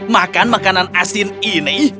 makan makanan asin ini